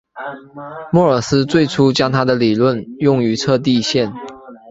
莫尔斯最初将他的理论用于测地线。